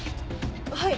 はい。